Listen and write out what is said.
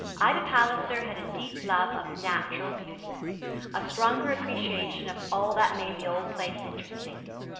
Ida Palliser had a deeper love of natural beauty, a stronger appreciation of all that made the old place interesting.